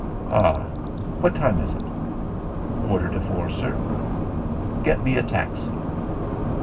"Ah! What time is it?" "Quarter to four, sir." "Get me a taxi."